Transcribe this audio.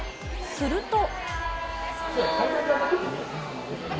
すると。